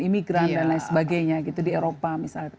imigran dan lain sebagainya gitu di eropa misalnya